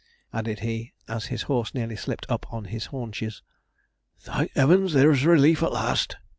added he, as his horse nearly slipped up on his haunches. 'Thank 'eavens there's relief at last!'